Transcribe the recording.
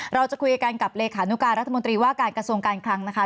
เราจะคุยกันกับเลขานุการรัฐมนตรีว่าการกระทรวงการคลังนะคะ